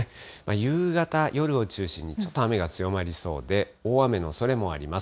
夕方、夜を中心にちょっと雨が強まりそうで、大雨のおそれもあります。